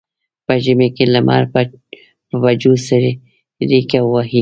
په ژمي کې لمر په بجو څریکه وهي.